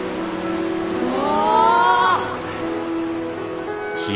うわ！